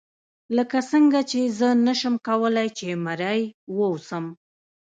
لکه څنګه چې زه نشم کولای چې مریی واوسم.